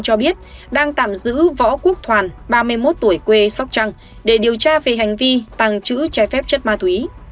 cho biết đang tạm giữ võ quốc thoàn ba mươi một tuổi quê sóc trăng để điều tra về hành vi tăng chữ trái phép chất ma túy